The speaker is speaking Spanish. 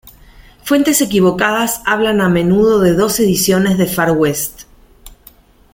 Fuentes equivocadas hablan a menudo de dos ediciones de "Far West".